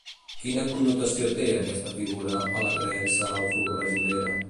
Quina connotació té, aquesta figura, a la creença afrobrasilera?